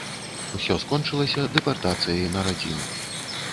Усё скончылася дэпартацыяй на радзіму.